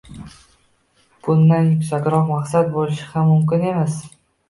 Bundan yuksakroq maqsad bo‘lishi ham mumkin emas. Nega?